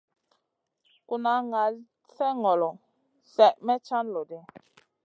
Kuna ŋal slèh ŋolo, slèh may can loɗi.